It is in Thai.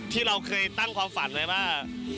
ที่เราเคยตั้งความฝันไว้ว่า